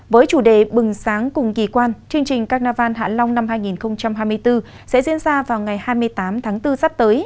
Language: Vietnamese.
với chủ đề bừng sáng cùng kỳ quan chương trình carnival hạ long năm hai nghìn hai mươi bốn sẽ diễn ra vào ngày hai mươi tám tháng bốn sắp tới